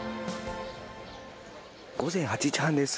午前８時半です。